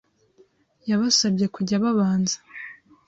Yabasabye kujya babanza